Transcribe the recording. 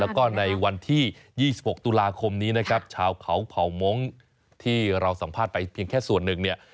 แล้วก็ในวันที่๒๖ตุลาคมนี้นะครับชาวเขาเผ่ามงค์ที่เราสัมภาษณ์ไปเพียงแค่ส่วนหนึ่งเนี่ย